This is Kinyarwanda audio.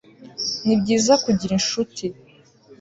Nibyiza Kugira inshuti